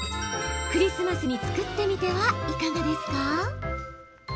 クリスマスに作ってみてはいかがですか？